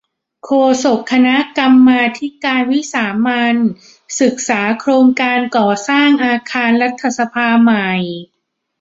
โฆษกคณะกรรมาธิการวิสามัญ ศึกษาโครงการก่อสร้างอาคารรัฐสภาใหม่